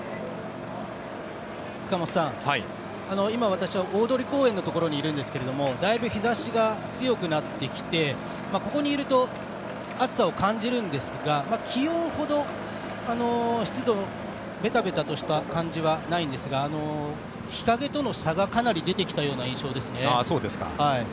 塚本さん、今、私は大通公園のところにいるんですがだいぶ日差しが強くなってきてここにいると暑さを感じるんですが気温ほど湿度はベタベタとした感じはないんですが日陰との差がかなり出てきたような印象ですね。